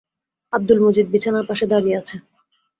আব্দুল মজিদ বিছানার পাশে দাঁড়িয়ে আছে।